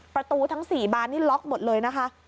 ประตูทั้ง๔บานนี่ล็อกหมดเลยนะคะ